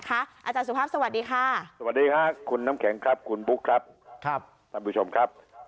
อาจารย์สุภาพสวัสดีค่ะ